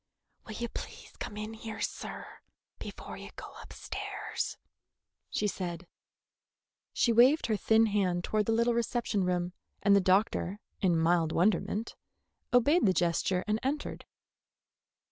"Will you please come in here, sir, before you go upstairs?" she said. She waved her thin hand toward the little reception room, and the doctor, in mild wonderment, obeyed the gesture and entered.